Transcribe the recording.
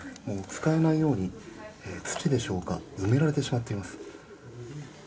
もう使えないように、土でしょうか、埋められてしまっています。